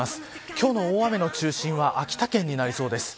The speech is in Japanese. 今日の大雨の中心は秋田県になりそうです。